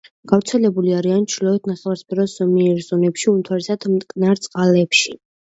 გავრცელებული არიან ჩრდილოეთ ნახევარსფეროს ზომიერ ზონებში, უმთავრესად მტკნარ წყლებში.